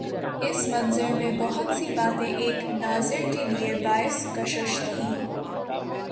اس منظر میں بہت سی باتیں ایک ناظر کے لیے باعث کشش تھیں۔